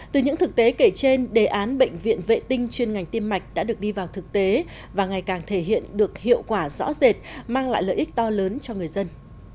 từ những thực tế kể trên đề án bệnh viện vệ tinh chuyên ngành tiêm mạch đã được đi vào thực tế và ngày càng thể hiện được hiệu quả rõ rệt mang lại lợi ích to lớn cho người dân